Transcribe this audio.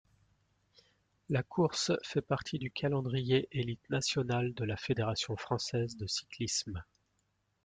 La course fait partie du calendrier élite nationale de la Fédération française de cyclisme.